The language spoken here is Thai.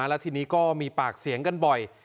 แล้วทีนี้ก็มีปากเสียงกันบ่อย